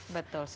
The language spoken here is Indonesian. ya betul sekali